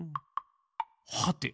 はて？